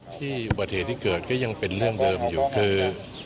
อุบัติเหตุที่เกิดก็ยังเป็นเรื่องเดิมอยู่คือ